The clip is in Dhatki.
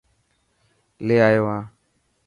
لي آيو هان.